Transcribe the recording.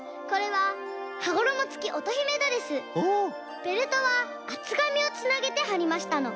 ベルトはあつがみをつなげてはりましたの。